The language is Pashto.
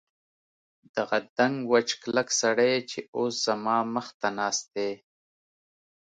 دغه دنګ وچ کلک سړی چې اوس زما مخ ته ناست دی.